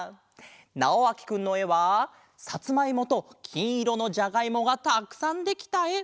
なおあきくんのえはさつまいもときんいろのじゃがいもがたくさんできたえ。